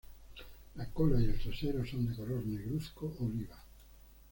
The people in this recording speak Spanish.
La cola y el trasero son de color negruzco oliva.